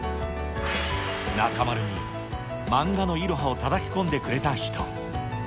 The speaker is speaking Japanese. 中丸に漫画のいろはをたたき込んでくれた人。